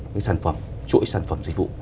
cái sản phẩm chuỗi sản phẩm dịch vụ